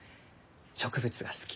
植物が好き。